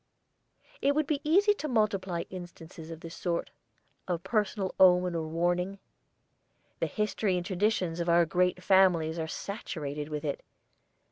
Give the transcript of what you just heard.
It would be easy to multiply instances of this sort: of personal omen or warning. The history and traditions of our great families are saturated with it.